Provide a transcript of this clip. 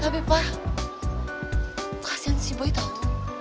tapi papa kasihan si boy tau